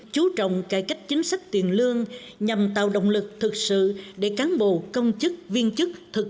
chú trọng cải cách chính sách tiền lương nhằm tạo động lực thực sự để cán bộ công chức viên chức thực